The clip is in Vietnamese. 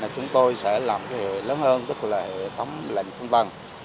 chúng tôi sẽ làm cái lớn hơn tức là hệ thống lệnh phong tầng